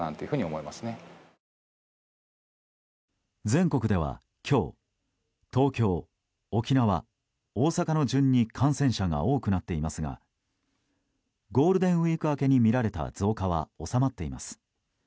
全国では今日東京、沖縄、大阪の順に感染者が多くなっていますがゴールデンウィーク明けに見られた増加は収まっています。